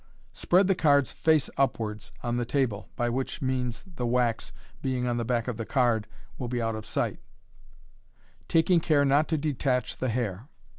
Spread the cards face upwards on the table (by which means the wax, being on the back of the card, will be out of sight), taking care not to detach the hair.